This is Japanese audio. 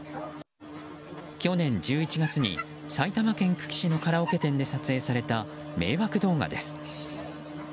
去年１１月に埼玉県久喜市のカラオケ店で撮影された、迷惑動画です。